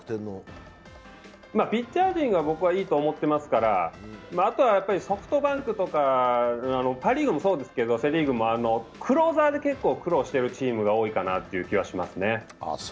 ピッチャー陣が僕はいいと思っていますから、あとはソフドバンクとか、パ・リーグもセ・リーグもそうですけどクローザーで結構、苦労しているチームが多いかなという気がしていますね。